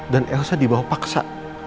dan elsa dibawa paksa